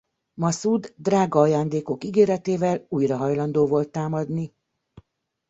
Maszúd drága ajándékok ígéretével újra hajlandó volt támadni.